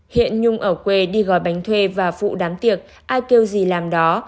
hiện nhung ở quê đi gói bánh thuê và phụ đám tiệc ai kêu gì làm đó